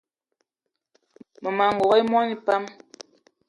Mmema n'gogué mona pam